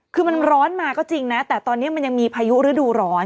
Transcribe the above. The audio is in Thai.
คือมันร้อนมาก็จริงนะแต่ตอนนี้มันยังมีพายุฤดูร้อน